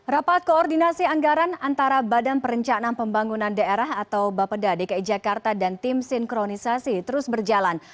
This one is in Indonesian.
rapat koordinasi anggaran antara badan perencanaan pembangunan daerah atau bapeda dki jakarta dan tim sinkronisasi terus berjalan